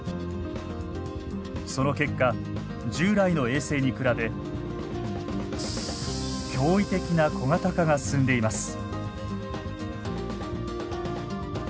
その結果従来の衛星に比べ驚異的な小型化が進んでいます。